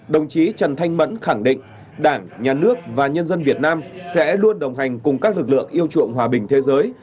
đồng chí trần thanh mẫn khẳng định đảng nhà nước và nhân dân việt nam sẽ luôn đồng hành cùng các lực lượng yêu chuộng hòa bình thế giới